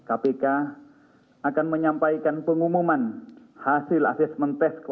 agak penting tolonglah dan memilih saat terakhir